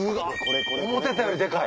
思てたよりでかい。